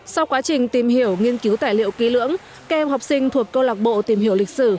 sau quá trình tìm hiểu nghiên cứu tài liệu ký lưỡng các em học sinh thuộc câu lạc bộ tìm hiểu lịch sử